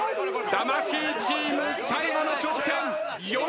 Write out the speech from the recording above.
魂チーム最後の挑戦。